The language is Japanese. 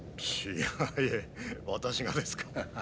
私がですか？